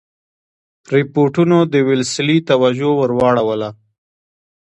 رپوټونو د ویلسلي توجه ور واړوله.